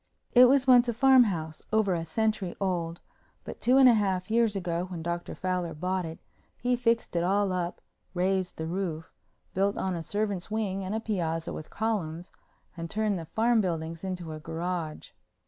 It was once a farmhouse, over a century old, but two and a half years ago when Dr. Fowler bought it he fixed it all up, raised the roof, built on a servants' wing and a piazza with columns and turned the farm buildings into a garage.